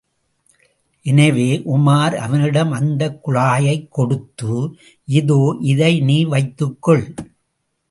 எனவே, உமார் அவனிடம் அந்தக் குழாயைக் கொடுத்து, இதோ இதை நீ வைத்துக்கொள்.